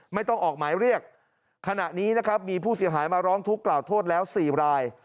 ไม่ต้องออกหมายเรียกขณะนี้นะครับมีผู้เสียหายมาร้องทุกข์กล่าวโทษแล้ว๔ราย